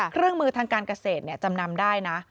เครื่องมือทางการเกษตรจำนำได้นะ